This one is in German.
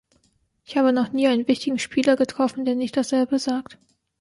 Ich habe noch nie einen wichtigen Spieler getroffen, der nicht dasselbe sagt.